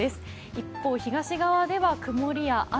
一方、東側では曇りや雨。